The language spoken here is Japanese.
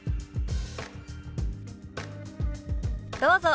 どうぞ。